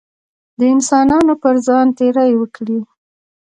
د انسانانو پر ځان تېری وکړي.